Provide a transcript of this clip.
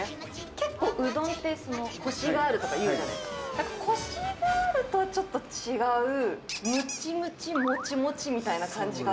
結構、うどんって、こしがあるとかいうじゃないですか、こしがあるとはちょっと違う、むちむち、もちもちみたいな感じ